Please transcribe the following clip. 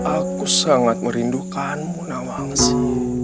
aku sangat merindukanmu nawangsi